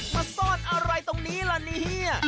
มาซ่อนอะไรตรงนี้ล่ะเนี่ย